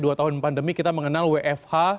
dua tahun pandemi kita mengenal wfh